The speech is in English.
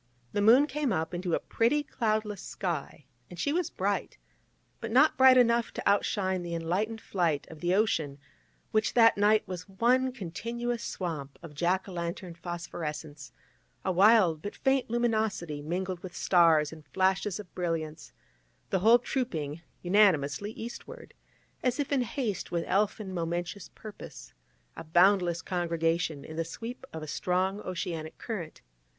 The moon came up into a pretty cloudless sky, and she was bright, but not bright enough to out shine the enlightened flight of the ocean, which that night was one continuous swamp of Jack o' lantern phosphorescence, a wild but faint luminosity mingled with stars and flashes of brilliance, the whole trooping unanimously eastward, as if in haste with elfin momentous purpose, a boundless congregation, in the sweep of a strong oceanic current.